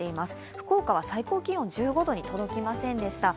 福岡は最高気温１５度に届きませんでした。